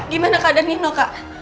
gimana keadaan nino kak